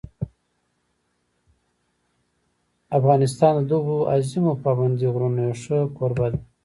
افغانستان د دغو عظیمو پابندي غرونو یو ښه کوربه دی.